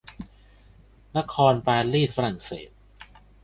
นครปารีสฝรั่งเศส